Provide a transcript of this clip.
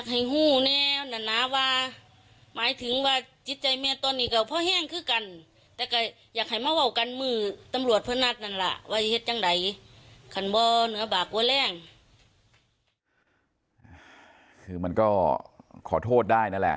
คือมันก็ขอโทษได้นั่นแหละ